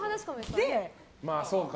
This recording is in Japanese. まあそうか。